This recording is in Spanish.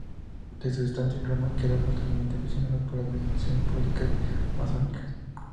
De su estancia en Roma quedó fuertemente impresionado por las manifestaciones públicas masónicas.